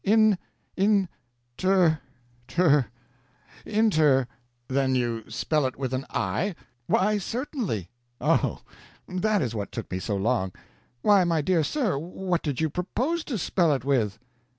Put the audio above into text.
"In, in, ter, ter, inter " "Then you spell it with an I?" "Why certainly!" "Oh, that is what took me so long." "Why, my dear sir, what did you propose to spell it with?"